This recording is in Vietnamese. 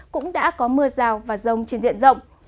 cũng đã có mưa rào và rông trên diện rộng